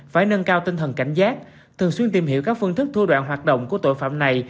phải nâng cao tinh thần cảnh giác thường xuyên tìm hiểu các phương thức thua đoạn hoạt động của tội phạm này